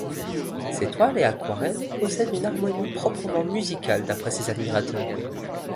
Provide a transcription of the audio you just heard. Ses toiles et aquarelles possèdent une harmonie proprement musicale d'après ses admirateurs.